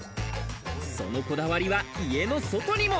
そのこだわりは家の外にも。